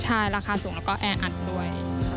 ใช่ราคาสูงแล้วก็แออัดด้วย